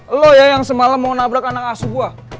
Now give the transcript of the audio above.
eh lu ya yang semalam mau nabrak anak asu gua